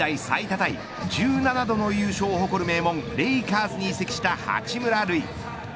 タイ１７度の優勝を誇る名門レイカーズに移籍した八村塁。